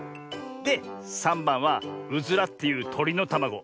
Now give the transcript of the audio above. で３ばんはウズラっていうとりのたまご。